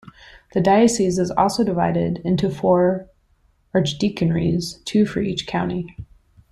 The diocese is also divided into four archdeaconries, two for each county.